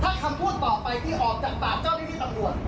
ถ้าคำพูดต่อไปที่ออกจากปากเจ้าหน้าที่ตำรวจ